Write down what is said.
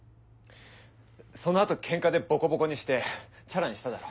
その後ケンカでボコボコにしてチャラにしただろ。